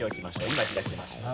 今開きました。